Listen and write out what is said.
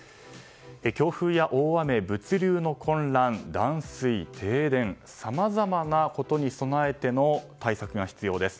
強風や大雨、物流の混乱断水、停電さまざまなことに備ええての対策が必要です。